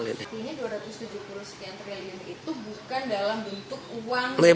artinya dua ratus tujuh puluh sekian triliun itu bukan dalam bentuk uang